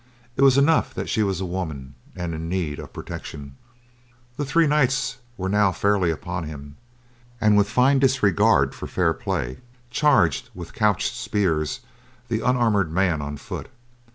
It was enough that she was a woman and in need of protection. The three knights were now fairly upon him, and with fine disregard for fair play, charged with couched spears the unarmored man on foot.